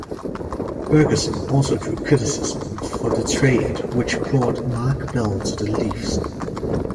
Ferguson also drew criticism for a trade which brought Mark Bell to the Leafs.